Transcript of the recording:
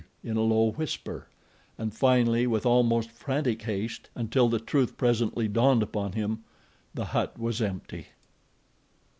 in a low whisper, and finally with almost frantic haste, until the truth presently dawned upon him—the hut was empty!